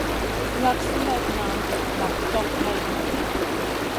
Slak simètna nak tog hay zida.